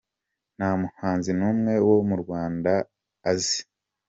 Nta muhanzi n’umwe wo mu Rwanda azi.